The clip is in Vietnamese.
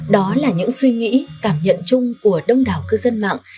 đó là những suy nghĩ cảm nhận chung của đông đảo cư dân mạng